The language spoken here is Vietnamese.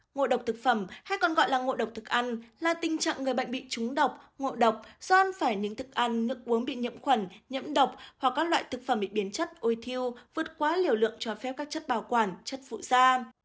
ngộ độc thực phẩm hay còn gọi là ngộ độc thực ăn là tình trạng người bệnh bị trúng độc ngộ độc do ăn phải những thức ăn nước uống bị nhiễm khuẩn nhiễm độc hoặc các loại thực phẩm bị biến chất ôi thiêu vượt quá liều lượng cho phép các chất bảo quản chất phụ da